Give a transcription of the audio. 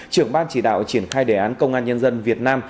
trưởng ban chỉ đạo triển khai đề án công an nhân dân việt nam